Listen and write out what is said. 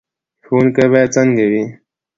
ښوونکی باید څنګه وي؟